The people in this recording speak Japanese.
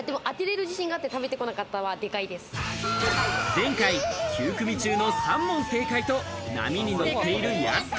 前回、９組中の３問正解と波に乗っているやす子。